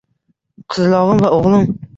Qizalog’im va o’g’lim.